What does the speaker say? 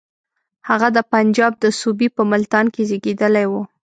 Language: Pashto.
هغه د پنجاب د صوبې په ملتان کې زېږېدلی وو.